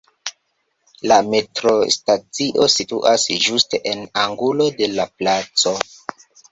La metrostacio situas ĝuste en angulo de la placo.